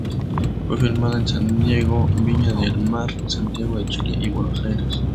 Fue filmada en San Diego, Viña del Mar, Santiago de Chile y Buenos Aires.